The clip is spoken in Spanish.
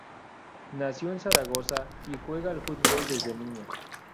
Nació en Zaragoza y juega al fútbol desde niña.